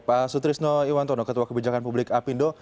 terima kasih pak sutrisno iwantono ketua kebijakan publik apindo